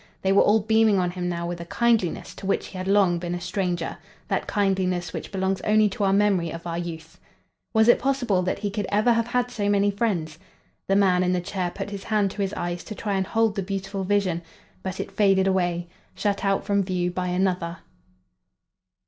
They were all beaming on him now with a kindliness to which he had long been a stranger; that kindliness which belongs only to our memory of our youth. Was it possible that he could ever have had so many friends! The man in the chair put his hand to his eyes to try and hold the beautiful vision, but it faded away, shut out from view by another.